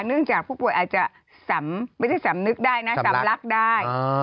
เนื่องจากผู้ป่วยอาจเป็นสำรักได้